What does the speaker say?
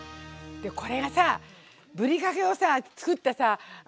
これがさぶりかけをさ作ったさ